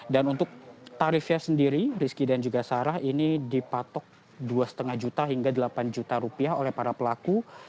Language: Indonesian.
dan untuk tarifnya sendiri rizky dan juga sarah ini dipatok dua lima juta hingga delapan juta rupiah oleh para pelaku